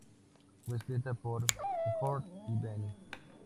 Fue escrita por Björn y Benny.